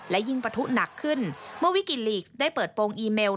และยิ่งปะทุหนักขึ้นเมื่อวิกิลีกได้เปิดโปรงอีเมล